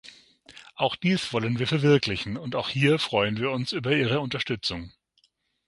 Auch dies wollen wir verwirklichen, und auch hier freuen wir uns über ihre Unterstützung.